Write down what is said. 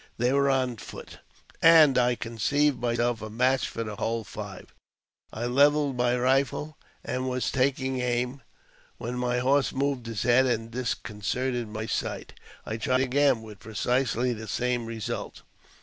They were on foot, and I conceived myself a match for the whole five. I levelled my rifle, and was taking aim, when my horse moved his head and discon certed my sight. I tried again with precisely the same result.